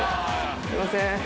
すいません。